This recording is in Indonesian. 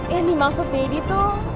yang dimaksud deddy tuh